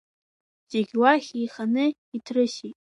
Зегь уахь еиханы иҭрысит.